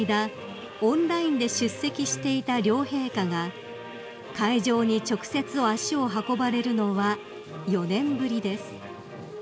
オンラインで出席していた両陛下が会場に直接足を運ばれるのは４年ぶりです］